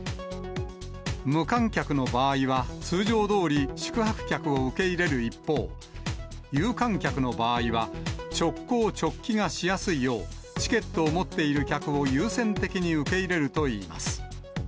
無観客の場合は、通常どおり宿泊客を受け入れる一方、有観客の場合は、直行直帰がしやすいよう、チケットを持っている客を優先的に受け入れるといいます。